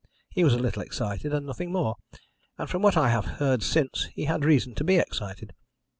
He was a little excited, and nothing more, and from what I have heard since he had reason to be excited.